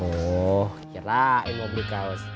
oh kirain mau beli kaos